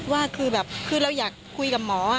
ว่าคือแบบคือเราอยากคุยกับหมอ